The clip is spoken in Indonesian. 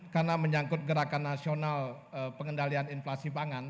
karena menyangkut gerakan nasional pengendalian inflasi pangan